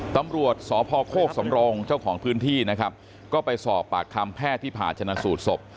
ตำรวจสพโคกสำรงเจ้าของพื้นที่นะครับก็ไปสอบปากคำแพทย์ที่ผ่าชนะสูตรศพ